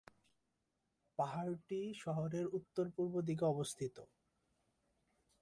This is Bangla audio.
পাহাড়টি শহরের উত্তর-পূর্ব দিকে অবস্থিত।